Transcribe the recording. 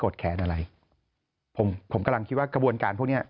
แขนอะไรผมผมกำลังคิดว่ากระบวนการพวกเนี้ย